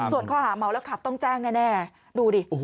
ส่วนข้อหาเมาแล้วขับต้องแจ้งแน่ดูดิ